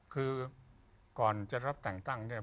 คือก่อนจะรับแต่งตั้งเนี่ย